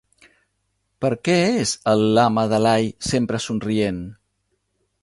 Per què és el Lama Dalai sempre somrient?